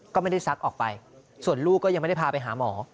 ก็ไม่ได้ซักออกไปส่วนลูกก็ยังไม่ได้พาไปหาหมอ